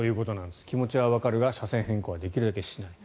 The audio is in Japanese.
気持ちはわかるが車線変更はできるだけしない。